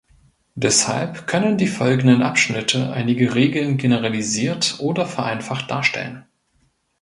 Deshalb können die folgenden Abschnitte einige Regeln generalisiert oder vereinfacht darstellen.